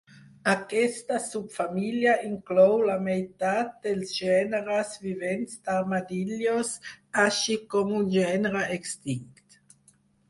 Aquesta subfamília inclou la meitat dels gèneres vivents d'armadillos, així com un gènere extint.